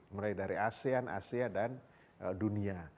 mulai dari asean asia dan dunia